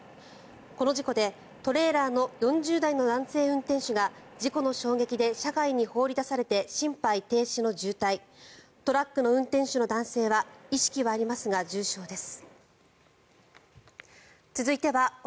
この事故で、トレーラーの４０代の男性運転手が事故の衝撃で車外に放り出されて心肺停止の重体トラックの運転手の男性は意識はありますが重傷です。